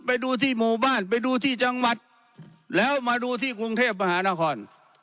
ไปดูที่หมู่บ้านไปดูที่จังหวัดแล้วมาดูที่กรุงเทพมหานคร